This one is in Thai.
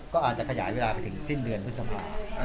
ก็อาจจะขยายเวลาไปถึงสิ้นเดือนพฤษภา